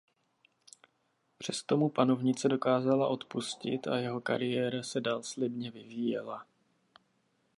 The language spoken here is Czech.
Přesto mu panovnice dokázala odpustit a jeho kariéra se dál slibně vyvíjela.